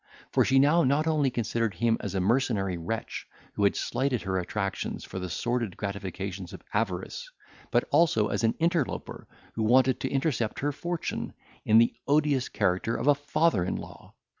For she now not only considered him as a mercenary wretch, who had slighted her attractions for the sordid gratifications of avarice, but also as an interloper, who wanted to intercept her fortune, in the odious character of a father in law.